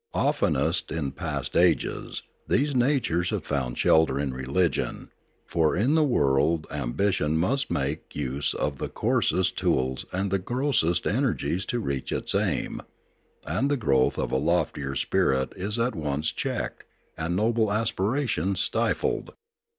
Oftenest in past ages these natures have fotmd shelter in religion; for in the world ambition must make use of the coarsest tools and the grossest energies to reach its aim ; and the growth of a loftier spirit is at once checked, and noble aspiration stifled.